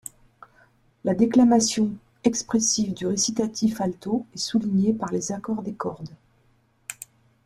La déclamation expressive du récitatif alto est souligné par les accords des cordes.